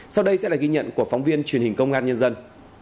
sau đây sẽ là ghi nhận của phóng viên truyền hình công an nhân dân